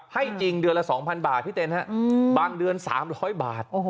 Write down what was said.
ให้จริงเดือนละ๒๐๐บาทพี่เต้นบางเดือน๓๐๐บาท